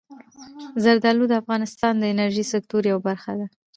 زردالو د افغانستان د انرژۍ د سکتور یوه برخه ده.